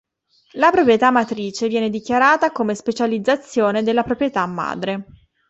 La proprietà matrice viene dichiarata come specializzazione della proprietà madre.